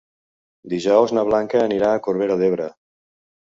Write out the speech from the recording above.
Dijous na Blanca anirà a Corbera d'Ebre.